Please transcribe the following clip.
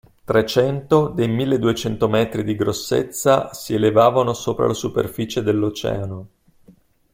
Trecento dei milleduecento metri di grossezza, si elevavano sopra la superficie dell'Oceano.